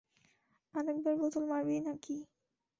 আরেকবার বোতল মারবি না-কি?